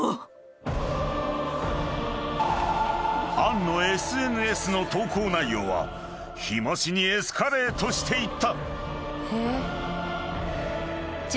［杏のＳＮＳの投稿内容は日増しにエスカレートしていった］